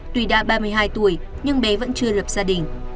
tuy đã ba mươi hai tuổi nhưng bé vẫn chưa lập gia đình